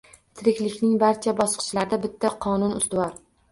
Tiriklikning barcha bosqichlarida bitta qonun ustuvor: